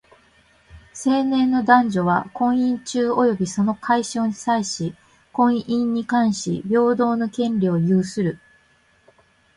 成年の男女は、婚姻中及びその解消に際し、婚姻に関し平等の権利を有する。